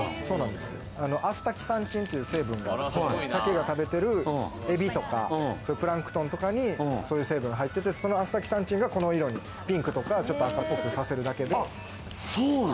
アスタキサンチンという成分が鮭が食べてるエビとかプランクトンとかに、そういう成分が入ってて、そのアスタキサンチンがこの色に、ピンクとか赤っぽくさせるだけで。